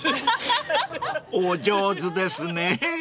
［お上手ですね］